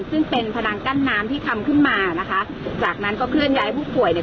ซึ่งเป็นพนังกั้นน้ำที่ทำขึ้นมานะคะจากนั้นก็เคลื่อนย้ายผู้ป่วยเนี่ย